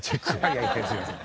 いやいやすいません。